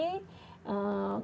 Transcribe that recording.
kita menyadari bahwa